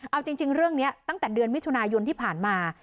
เอาจริงเรื่องนี้ตั้งแต่เดือนมิถุนายนที่ผ่านมา